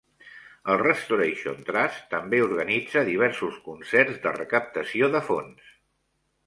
El Restoration Trust també organitza diversos concerts de recaptació de fons.